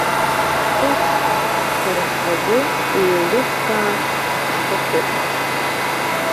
Ус, сара схазы еилыскаарц сҭахуп.